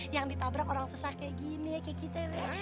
yang ditabrak orang susah kayak gini kayak kita ya bang